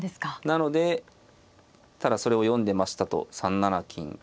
なのでただそれを読んでましたと３七金寄とね